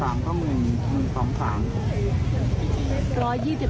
อยากจะให้แหละให้เลยต้องบอกว่าให้เลย